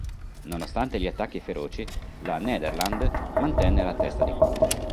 Nonostante gli attacchi feroci, la "Nederland" mantenne la testa di ponte.